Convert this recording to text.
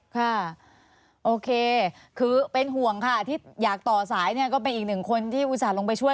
ค่ะโอเคคือเป็นห่วงค่ะที่อยากต่อสายเนี่ยก็เป็นอีกหนึ่งคนที่อุตส่าห์ลงไปช่วย